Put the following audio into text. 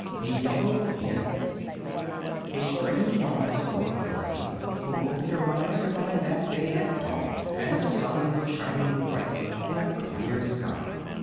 The Yellow Hen A strange noise awoke Dorothy, who opened her eyes to find that day had dawned and the sun was shining brightly in a clear sky.